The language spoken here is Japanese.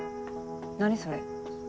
何それ。